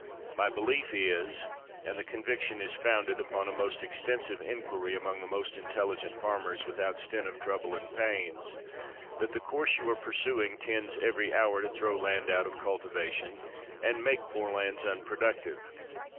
My belief is — and the conviction is founded upon a most ex tensive inquiry among the most intelligent far mers, without stint of trouble and pains — that the course you are pursuing tends every hour to throw land out of cultivation, and make poor 168 COBDEN lands unproductive.